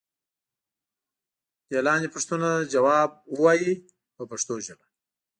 دې لاندې پوښتنو ته ځواب و وایئ په پښتو ژبه.